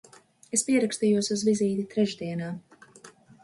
Es pierakstījos uz vizīti trešdienā.